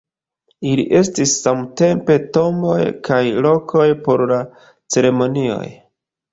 Ili estis samtempe tomboj kaj lokoj por la ceremonioj.